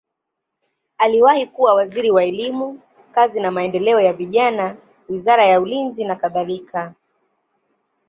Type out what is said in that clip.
Aliwahi kuwa waziri wa elimu, kazi na maendeleo ya vijana, wizara ya ulinzi nakadhalika.